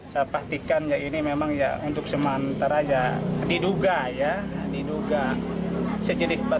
saya perhatikan ya ini memang ya untuk sementara ya diduga ya diduga sejenis batu